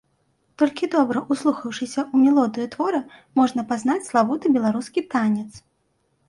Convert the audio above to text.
Толькі добра ўслухаўшыся ў мелодыю твора, можна пазнаць славуты беларускі танец.